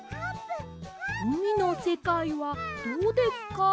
「うみのせかいはどうですか？」